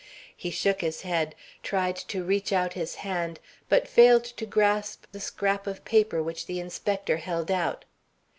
He shook his head, tried to reach out his hand, but failed to grasp the scrap of paper which the inspector held out.